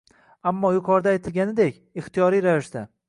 Ammo, yuqorida aytilganidek, ixtiyoriy ravishda